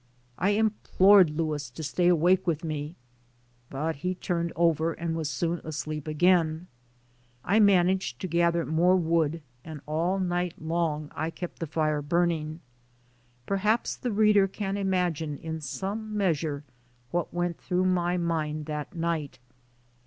I implored Louis to stay awake with me, but he turned over and was soon asleep again. I managed to gather more wood and all night long I kept the fire burning. Perhaps the reader can imagine in some measure what went through my mind that night.